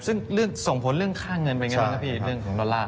ซึ่งเรื่องส่งผลเรื่องค่าเงินเป็นไงบ้างครับพี่เรื่องของดอลลาร์